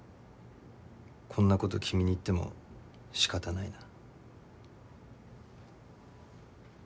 こんなこと君に言ってもしかたないな。